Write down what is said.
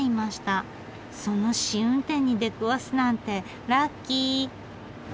その試運転に出くわすなんてラッキー！